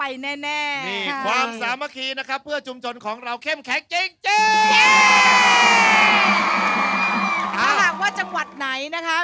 ไอ้นี่งงไอ้นี่งง